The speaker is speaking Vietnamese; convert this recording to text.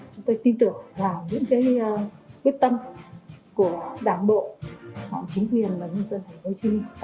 chúng tôi tin tưởng vào những quyết tâm của đảng bộ chính quyền và nhân dân thành phố hồ chí minh